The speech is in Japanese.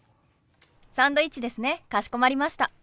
サンドイッチですねかしこまりました。